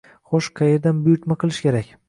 xo'sh qayerdan buyurtma qilish kerak?